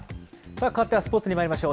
かわってはスポーツにまいりましょう。